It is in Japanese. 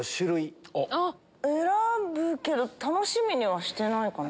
選ぶけど楽しみにはしてないかな。